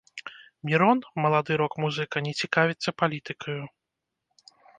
Мірон, малады рок-музыка, не цікавіцца палітыкаю.